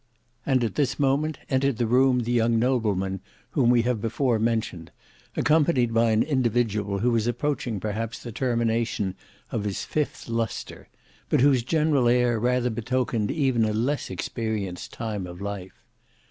And at this moment entered the room the young nobleman whom we have before mentioned, accompanied by an individual who was approaching perhaps the termination of his fifth lustre but whose general air rather betokened even a less experienced time of life.